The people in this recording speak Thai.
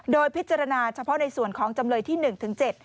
โดยพิจารณาเฉพาะในส่วนของจำเลยที่หนึ่งถึงเจ็ด